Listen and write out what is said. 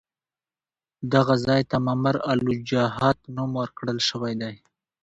دغه ځای ته ممر الوجحات نوم ورکړل شوی دی.